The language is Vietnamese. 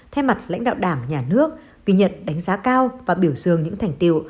thay mặt lãnh đạo đảng nhà nước ghi nhật đánh giá cao và biểu dương những thành tiêu